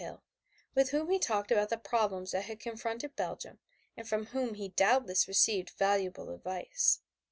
Hill with whom he talked about the problems that confronted Belgium and from whom he doubtless received valuable advice.